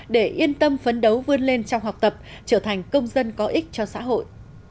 để yên tâm phấn đấu vươn lên trong học tập trở thành công dân có ích cho xã hội